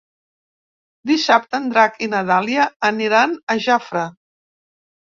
Dissabte en Drac i na Dàlia aniran a Jafre.